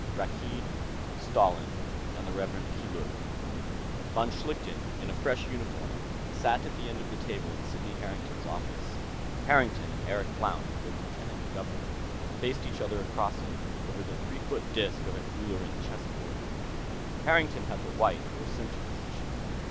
Rakkeed, Stalin, and the Rev. Keeluk Von Schlichten, in a fresh uniform, sat at the end of the table in Sidney Harrington's office; Harrington and Eric Blount, the Lieutenant Governor, faced each other across it, over the three foot disc of an Ulleran chess board. Harrington had the white, or center, position.